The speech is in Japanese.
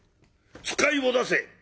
使いを出せ。